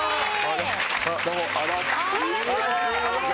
お願いしまーす！